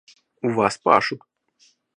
У вас пашут.